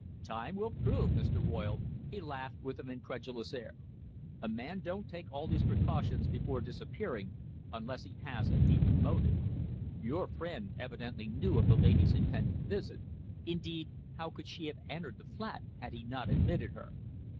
"Time will prove, Mr. Royle," he laughed with an incredulous air. "A man don't take all these precautions before disappearing unless he has a deeper motive. Your friend evidently knew of the lady's impending visit. Indeed, how could she have entered the flat had he not admitted her?"